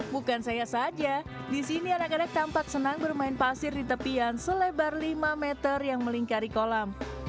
bukan saya saja di sini anak anak tampak senang bermain pasir di tepian selebar lima meter yang melingkari kolam